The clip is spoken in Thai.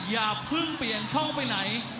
อย่าเพิ่งเปลี่ยนช่องไปไหน